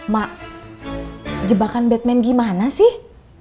mak jebakan batman gimana sih